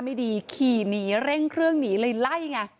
เหตุการณ์เกิดขึ้นแถวคลองแปดลำลูกกา